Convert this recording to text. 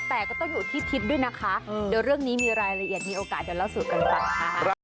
แต่ก็ต้องอยู่ที่ทิศด้วยนะคะเดี๋ยวเรื่องนี้มีรายละเอียดมีโอกาสเดี๋ยวเล่าสู่กันฟังค่ะ